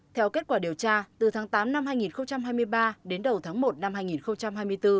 theo kết quả điều tra từ tháng tám năm hai nghìn hai mươi ba đến đầu tháng một năm hai nghìn hai mươi bốn